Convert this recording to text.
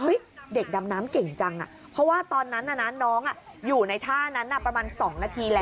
เด็กดำน้ำเก่งจังอ่ะเพราะว่าตอนนั้นน่ะนะน้องอยู่ในท่านั้นประมาณ๒นาทีแล้ว